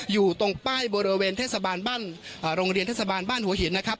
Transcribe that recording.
อยู่ตรงป้ายบริเวณเทศบาลบ้านโรงเรียนเทศบาลบ้านหัวหินนะครับ